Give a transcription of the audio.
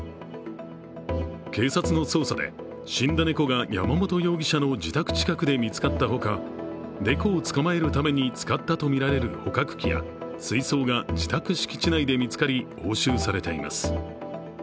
警察の捜査で、死んだ猫が山本容疑者の自宅近くで見つかったほか、猫を捕まえるために使ったとみられる捕獲器や水槽が自宅敷地内で見つかり押収されています。